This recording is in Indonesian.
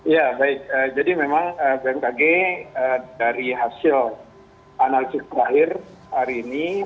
ya baik jadi memang bmkg dari hasil analisis terakhir hari ini